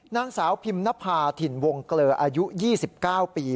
นางสาวพิมนภาถิ่นวงเกลออายุ๒๙ปี